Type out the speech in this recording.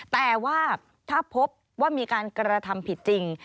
แต่ว่าถ้าพบว่ามีการกระทำผิดจริง